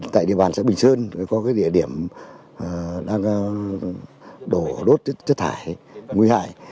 tại địa bàn xã bình sơn có địa điểm đang đổ đốt chất thải nguy hại